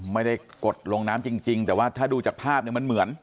ไม่ได้กดลงน้ำจริงแต่ว่าถ้าดูจากภาพเนี่ยมันเหมือน